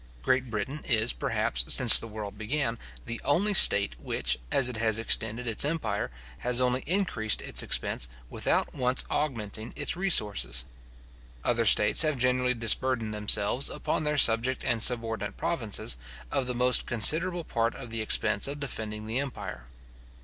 Great Britain is, perhaps, since the world began, the only state which, as it has extended its empire, has only increased its expense, without once augmenting its resources. Other states have generally disburdened themselves, upon their subject and subordinate provinces, of the most considerable part of the expense of defending the empire.